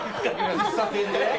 喫茶店で？